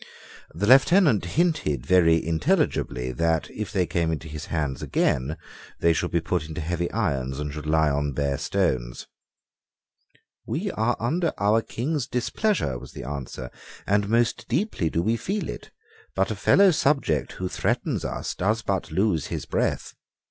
The Lieutenant hinted very intelligibly that, if they came into his hands again, they should be put into heavy irons and should lie on bare stones. "We are under our King's displeasure," was the answer; "and most deeply do we feel it: but a fellow subject who threatens us does but lose his breath."